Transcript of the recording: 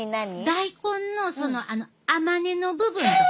大根のその甘根の部分。